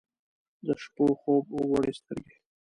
د شپو خوب وړي سترګې